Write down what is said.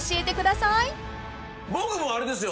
僕もあれですよ